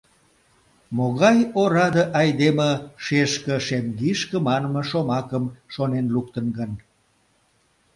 Могай ораде айдеме «шешке — шемгишке» манме шомакым шонен луктын гын?